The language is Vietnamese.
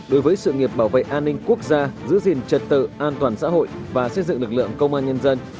đối với sự nghiệp bảo vệ an ninh quốc gia giữ gìn trật tự an toàn xã hội và xây dựng lực lượng công an nhân dân